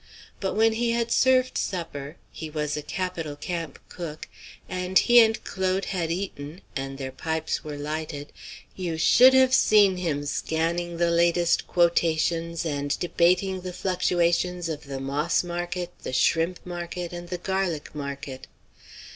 But when he had served supper he was a capital camp cook and he and Claude had eaten, and their pipes were lighted, you should have seen him scanning the latest quotations and debating the fluctuations of the moss market, the shrimp market, and the garlic market.